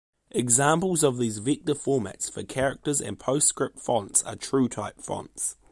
Examples of these vector formats for characters are Postscript fonts and TrueType fonts.